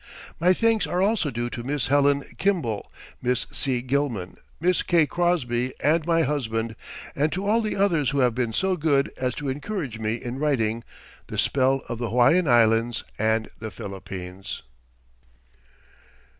My thanks are also due to Miss Helen Kimball, Miss C. Gilman, Miss K. Crosby, and my husband, and to all the others who have been so good as to encourage me in writing the "Spell of the Hawaiian Islands and the Philippines."